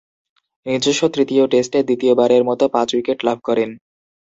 নিজস্ব তৃতীয় টেস্টে দ্বিতীয়বারের মতো পাঁচ-উইকেট লাভ করেন।